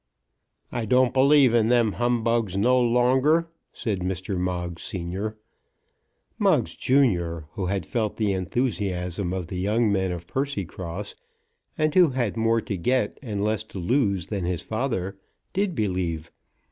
"I don't believe in them humbugs no longer," said Mr. Moggs senior. Moggs junior, who had felt the enthusiasm of the young men of Percycross, and who had more to get and less to lose than his father, did believe.